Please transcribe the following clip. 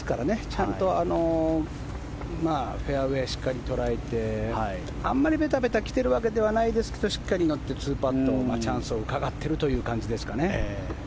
ちゃんとフェアウェーしっかり捉えてあまりべたべた来ているわけではないですがしっかり乗って、２パットチャンスをうかがっているという感じですかね。